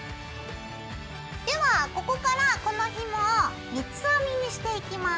ではここからこのひもを三つ編みにしていきます。